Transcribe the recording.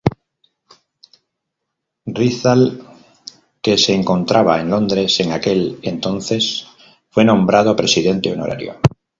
Rizal, que se encontraba en Londres en aquel entonces, fue nombrado Presidente Honorario.